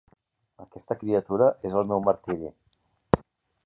Aquesta criatura és el meu martiri.